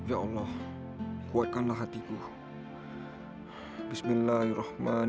oh oke makasih ya suster